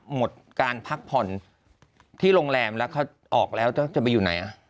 หมดการพักผ่อนที่โรงแรมแล้วเขาออกแล้วจะไปอยู่ไหน